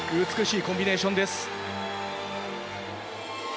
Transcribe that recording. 美しいコンビネーションです。